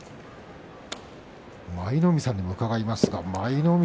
舞の海さんにも伺います。